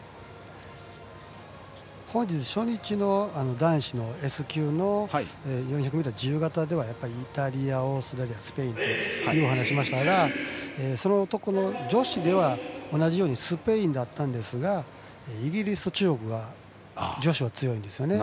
初日の男子のＳ９の４００ｍ自由形ではイタリア、オーストラリアスペインという話をしましたが女子では同じようにスペインでしたがイギリス、中国が女子は強いんですよね。